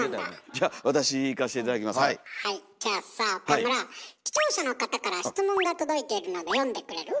じゃあさ岡村視聴者の方から質問が届いているので読んでくれる？